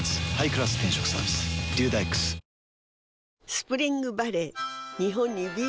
スプリングバレー